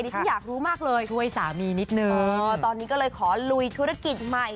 ฉันอยากรู้มากเลยช่วยสามีนิดนึงตอนนี้ก็เลยขอลุยธุรกิจใหม่